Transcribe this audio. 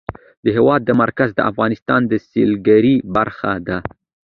د هېواد مرکز د افغانستان د سیلګرۍ برخه ده.